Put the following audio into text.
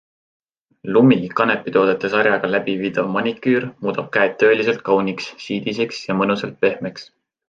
LUMI kanepitoodete sarjaga läbiviidav maniküür muudab käed tõeliselt kauniks, siidiseks ja mõnusalt pehmeks.